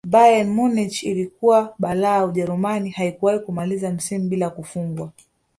bayern munich iliyokuwa balaa ujerumani haikuwahi kumaliza msimu bila kufungwa